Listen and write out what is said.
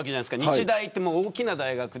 日大って大きな大学で。